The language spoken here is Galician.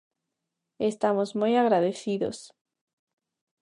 Estamos moi agradecidos.